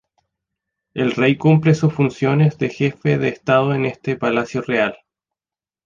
El Rey cumple sus funciones de Jefe de Estado en este Palacio Real.